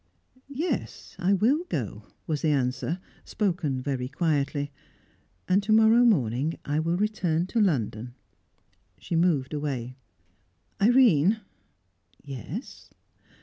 "Yes I will go," was the answer, spoken very quietly. "And to morrow morning I will return to London." She moved away. "Irene!" "Yes